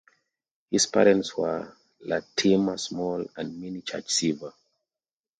His parents were Latimer Small and Minnie Church Seaver.